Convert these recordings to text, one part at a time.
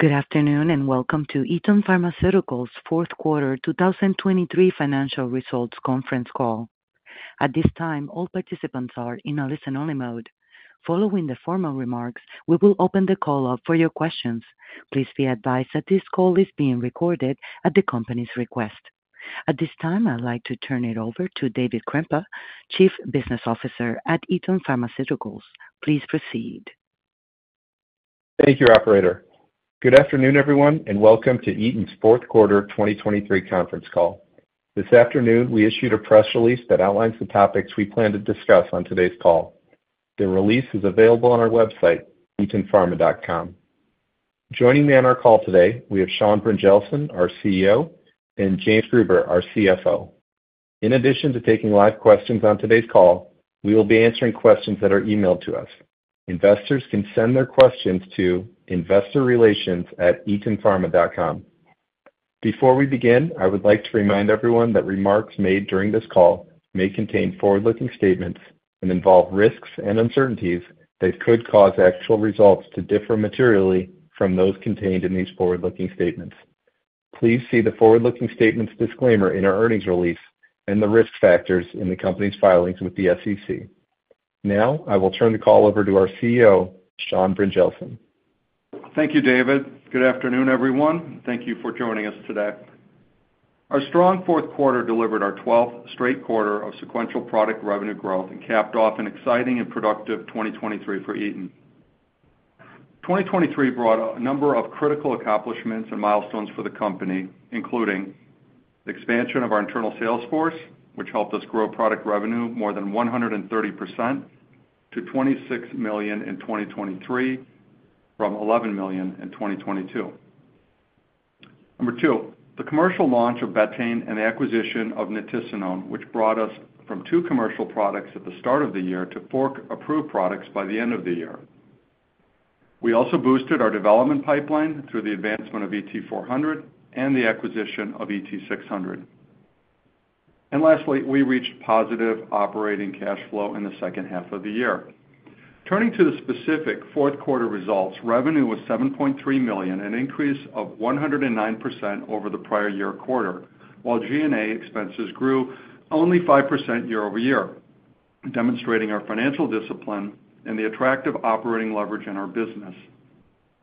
Good afternoon, and welcome to Eton Pharmaceuticals' fourth quarter 2023 financial results conference call. At this time, all participants are in a listen-only mode. Following the formal remarks, we will open the call up for your questions. Please be advised that this call is being recorded at the company's request. At this time, I'd like to turn it over to David Krempa, Chief Business Officer at Eton Pharmaceuticals. Please proceed. Thank you, operator. Good afternoon, everyone, and welcome to Eton's fourth quarter 2023 conference call. This afternoon, we issued a press release that outlines the topics we plan to discuss on today's call. The release is available on our website, etonpharma.com. Joining me on our call today, we have Sean Brynjelsen, our CEO, and James Gruber, our CFO. In addition to taking live questions on today's call, we will be answering questions that are emailed to us. Investors can send their questions to investorrelations@etonpharma.com. Before we begin, I would like to remind everyone that remarks made during this call may contain forward-looking statements and involve risks and uncertainties that could cause actual results to differ materially from those contained in these forward-looking statements. Please see the forward-looking statements disclaimer in our earnings release and the risk factors in the company's filings with the SEC. Now, I will turn the call over to our CEO, Sean Brynjelsen. Thank you, David. Good afternoon, everyone. Thank you for joining us today. Our strong fourth quarter delivered our 12th straight quarter of sequential product revenue growth and capped off an exciting and productive 2023 for Eton. 2023 brought a number of critical accomplishments and milestones for the company, including the expansion of our internal sales force, which helped us grow product revenue more than 130% to $26 million in 2023, from $11 million in 2022. Number two, the commercial launch of betaine and the acquisition of nitisinone, which brought us from 2 commercial products at the start of the year to 4 approved products by the end of the year. We also boosted our development pipeline through the advancement of ET-400 and the acquisition of ET-600. Lastly, we reached positive operating cash flow in the second half of the year. Turning to the specific fourth quarter results, revenue was $7.3 million, an increase of 109% over the prior year quarter, while G&A expenses grew only 5% year-over-year, demonstrating our financial discipline and the attractive operating leverage in our business.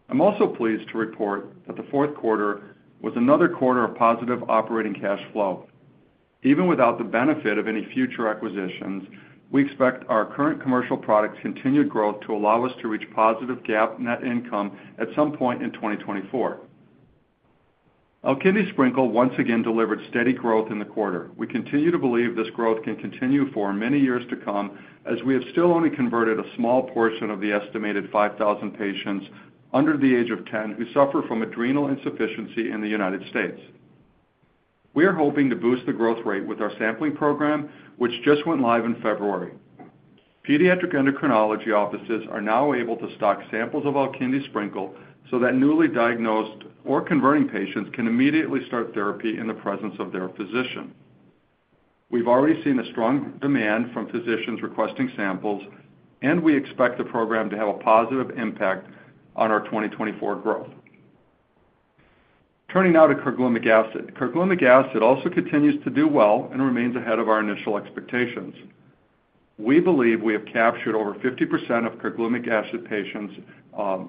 I'm also pleased to report that the fourth quarter was another quarter of positive operating cash flow. Even without the benefit of any future acquisitions, we expect our current commercial products' continued growth to allow us to reach positive GAAP net income at some point in 2024. Alkindi Sprinkle once again delivered steady growth in the quarter. We continue to believe this growth can continue for many years to come, as we have still only converted a small portion of the estimated 5,000 patients under the age of 10 who suffer from adrenal insufficiency in the United States. We are hoping to boost the growth rate with our sampling program, which just went live in February. Pediatric endocrinology offices are now able to stock samples of Alkindi Sprinkle so that newly diagnosed or converting patients can immediately start therapy in the presence of their physician. We've already seen a strong demand from physicians requesting samples, and we expect the program to have a positive impact on our 2024 growth. Turning now to carglumic acid. Carglumic acid also continues to do well and remains ahead of our initial expectations. We believe we have captured over 50% of carglumic acid patients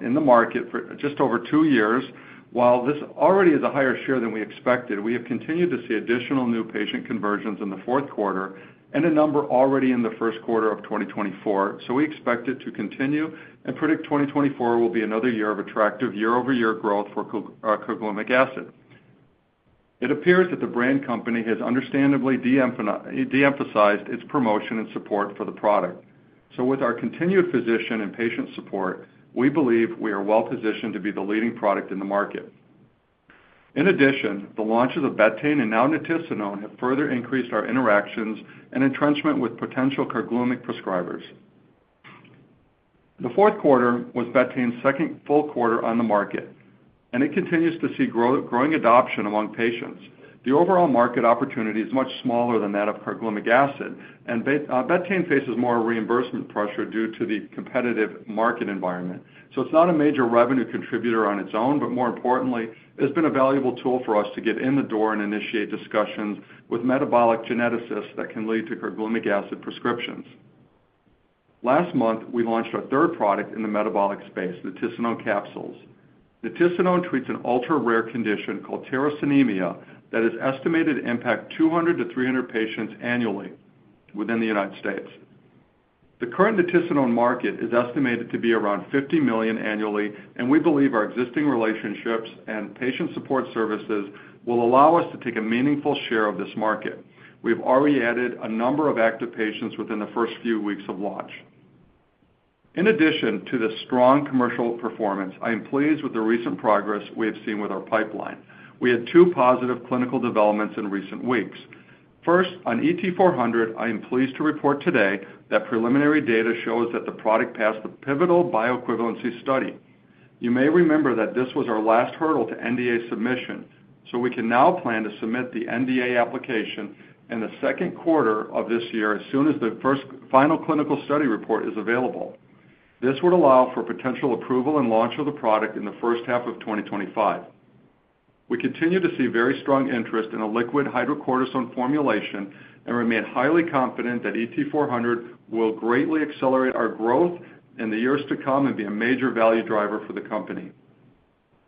in the market for just over two years. While this already is a higher share than we expected, we have continued to see additional new patient conversions in the fourth quarter and a number already in the first quarter of 2024. We expect it to continue and predict 2024 will be another year of attractive year-over-year growth for carglumic acid. It appears that the brand company has understandably de-emphasized its promotion and support for the product. With our continued physician and patient support, we believe we are well positioned to be the leading product in the market. In addition, the launches of betaine and now nitisinone have further increased our interactions and entrenchment with potential carglumic acid prescribers. The fourth quarter was betaine's second full quarter on the market, and it continues to see growing adoption among patients. The overall market opportunity is much smaller than that of carglumic acid, and betaine faces more reimbursement pressure due to the competitive market environment. So it's not a major revenue contributor on its own, but more importantly, it's been a valuable tool for us to get in the door and initiate discussions with metabolic geneticists that can lead to carglumic acid prescriptions. Last month, we launched our third product in the metabolic space, nitisinone capsules. Nitisinone treats an ultra-rare condition called tyrosinemia that is estimated to impact 200-300 patients annually within the United States. The current nitisinone market is estimated to be around $50 million annually, and we believe our existing relationships and patient support services will allow us to take a meaningful share of this market. We've already added a number of active patients within the first few weeks of launch. In addition to the strong commercial performance, I am pleased with the recent progress we have seen with our pipeline. We had two positive clinical developments in recent weeks. First, on ET-400, I am pleased to report today that preliminary data shows that the product passed the pivotal bioequivalence study. You may remember that this was our last hurdle to NDA submission, so we can now plan to submit the NDA application in the second quarter of this year, as soon as the first final clinical study report is available. This would allow for potential approval and launch of the product in the first half of 2025. We continue to see very strong interest in a liquid hydrocortisone formulation and remain highly confident that ET-400 will greatly accelerate our growth in the years to come and be a major value driver for the company.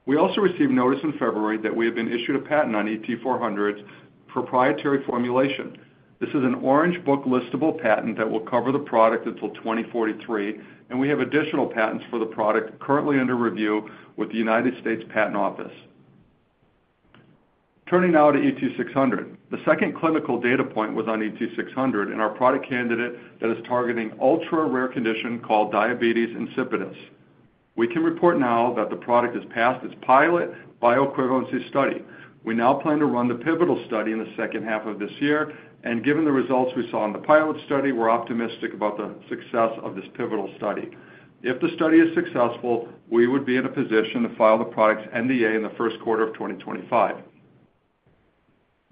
We also received notice in February that we have been issued a patent on ET-400's proprietary formulation. This is an Orange Book listable patent that will cover the product until 2043, and we have additional patents for the product currently under review with the United States Patent Office. Turning now to ET-600. The second clinical data point was on ET-600 in our product candidate that is targeting ultra-rare condition called diabetes insipidus. We can report now that the product has passed its pilot bioequivalence study. We now plan to run the pivotal study in the second half of this year, and given the results we saw in the pilot study, we're optimistic about the success of this pivotal study. If the study is successful, we would be in a position to file the product's NDA in the first quarter of 2025.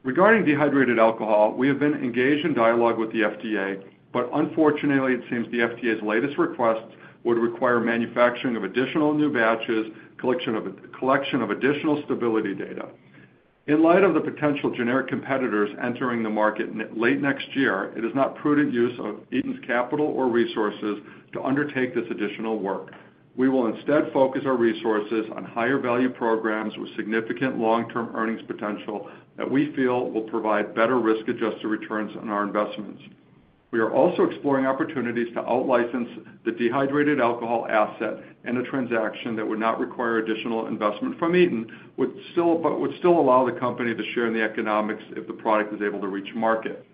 Regarding dehydrated alcohol, we have been engaged in dialogue with the FDA, but unfortunately, it seems the FDA's latest request would require manufacturing of additional new batches, collection of additional stability data. In light of the potential generic competitors entering the market in late next year, it is not prudent use of Eton's capital or resources to undertake this additional work. We will instead focus our resources on higher value programs with significant long-term earnings potential that we feel will provide better risk-adjusted returns on our investments. We are also exploring opportunities to out-license the dehydrated alcohol asset in a transaction that would not require additional investment from Eton, would still-- but would still allow the company to share in the economics if the product is able to reach market.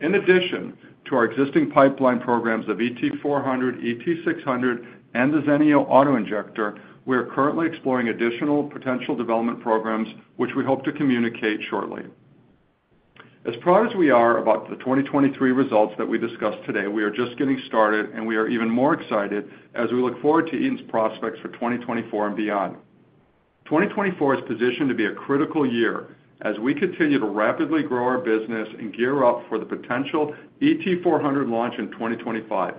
In addition to our existing pipeline programs of ET-400, ET-600, and the ZENEO auto-injector, we are currently exploring additional potential development programs, which we hope to communicate shortly. As proud as we are about the 2023 results that we discussed today, we are just getting started, and we are even more excited as we look forward to Eton's prospects for 2024 and beyond. 2024 is positioned to be a critical year as we continue to rapidly grow our business and gear up for the potential ET-400 launch in 2025.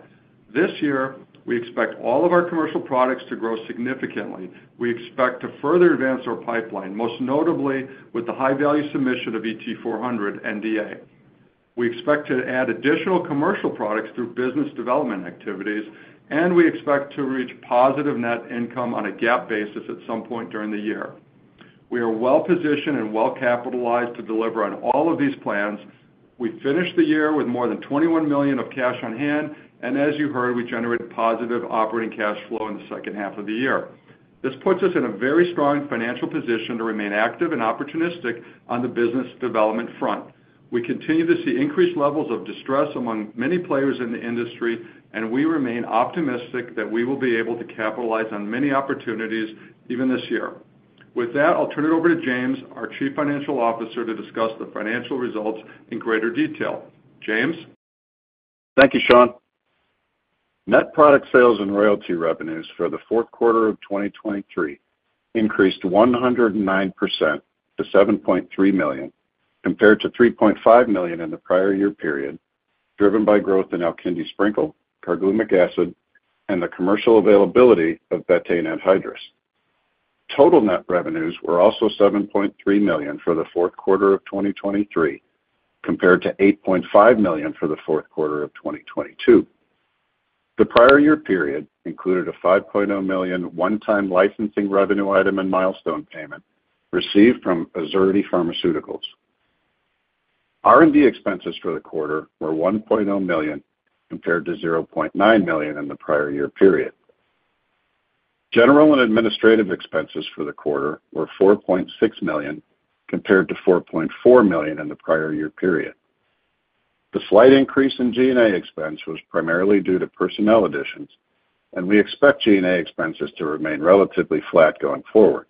This year, we expect all of our commercial products to grow significantly. We expect to further advance our pipeline, most notably with the high-value submission of ET-400 NDA. We expect to add additional commercial products through business development activities, and we expect to reach positive net income on a GAAP basis at some point during the year. We are well positioned and well capitalized to deliver on all of these plans. We finished the year with more than $21 million of cash on hand, and as you heard, we generated positive operating cash flow in the second half of the year. This puts us in a very strong financial position to remain active and opportunistic on the business development front. We continue to see increased levels of distress among many players in the industry, and we remain optimistic that we will be able to capitalize on many opportunities even this year. With that, I'll turn it over to James, our Chief Financial Officer, to discuss the financial results in greater detail. James? Thank you, Sean. Net product sales and royalty revenues for the fourth quarter of 2023 increased 109% to $7.3 million, compared to $3.5 million in the prior year period, driven by growth in Alkindi Sprinkle, carglumic acid, and the commercial availability of betaine anhydrous. Total net revenues were also $7.3 million for the fourth quarter of 2023, compared to $8.5 million for the fourth quarter of 2022. The prior year period included a $5.0 million one-time licensing revenue item and milestone payment received from Azurity Pharmaceuticals. R&D expenses for the quarter were $1.0 million, compared to $0.9 million in the prior year period. General and administrative expenses for the quarter were $4.6 million, compared to $4.4 million in the prior year period. The slight increase in G&A expense was primarily due to personnel additions, and we expect G&A expenses to remain relatively flat going forward.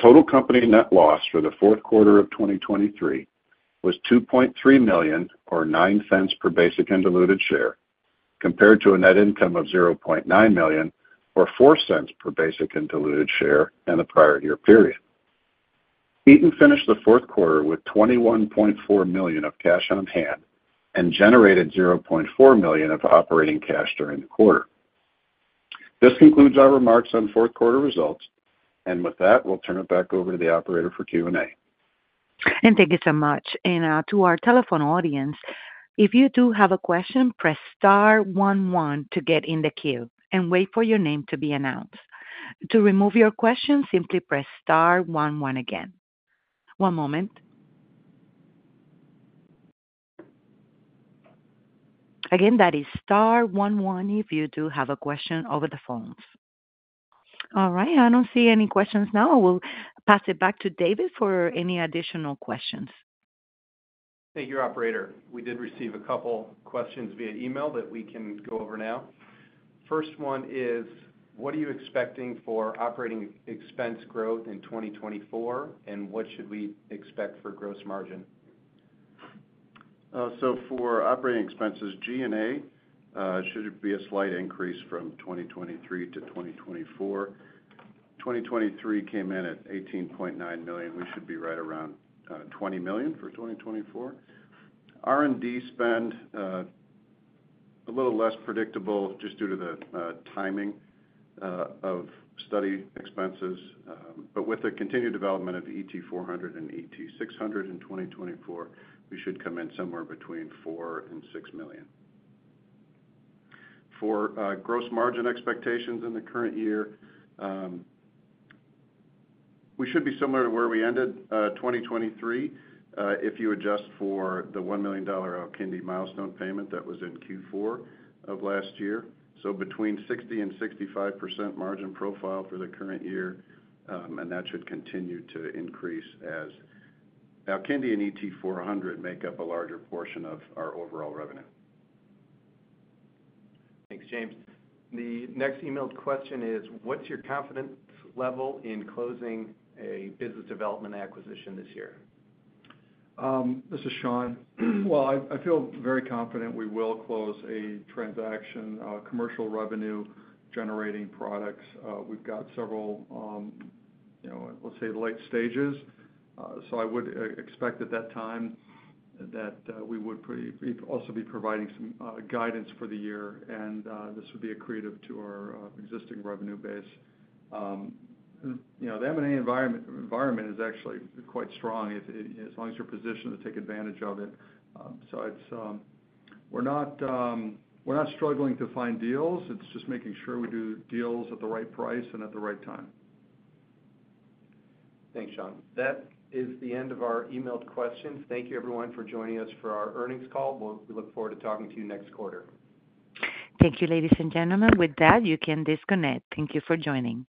Total company net loss for the fourth quarter of 2023 was $2.3 million, or $0.09 per basic and diluted share, compared to a net income of $0.9 million, or $0.04 per basic and diluted share in the prior year period. Eton finished the fourth quarter with $21.4 million of cash on hand and generated $0.4 million of operating cash during the quarter. This concludes our remarks on fourth quarter results, and with that, we'll turn it back over to the operator for Q&A. Thank you so much. To our telephone audience, if you do have a question, press star one one to get in the queue and wait for your name to be announced. To remove your question, simply press star one one again. One moment. Again, that is star one one if you do have a question over the phones. All right, I don't see any questions now. We'll pass it back to David for any additional questions. Thank you, operator. We did receive a couple questions via email that we can go over now. First one is: what are you expecting for operating expense growth in 2024, and what should we expect for gross margin? So for operating expenses, G&A, should be a slight increase from 2023 to 2024. 2023 came in at $18.9 million. We should be right around $20 million for 2024. R&D spend a little less predictable just due to the timing of study expenses. But with the continued development of ET-400 and ET-600 in 2024, we should come in somewhere between $4 million-$6 million. For gross margin expectations in the current year, we should be similar to where we ended 2023, if you adjust for the $1 million Alkindi milestone payment that was in Q4 of last year. Between 60% and 65% margin profile for the current year, and that should continue to increase as Alkindi and ET-400 make up a larger portion of our overall revenue. Thanks, James. The next emailed question is: What's your confidence level in closing a business development acquisition this year? This is Sean. Well, I feel very confident we will close a transaction, commercial revenue-generating products. We've got several, you know, let's say, late stages. So I would expect at that time that we would also be providing some guidance for the year, and this would be accretive to our existing revenue base. You know, the M&A environment is actually quite strong if, as long as you're positioned to take advantage of it. So it's, we're not struggling to find deals. It's just making sure we do deals at the right price and at the right time. Thanks, Sean. That is the end of our emailed questions. Thank you, everyone, for joining us for our earnings call. We'll look forward to talking to you next quarter. Thank you, ladies and gentlemen. With that, you can disconnect. Thank you for joining.